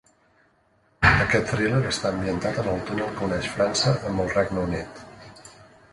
Aquest thriller està ambientat en el túnel que uneix França amb el Regne Unit.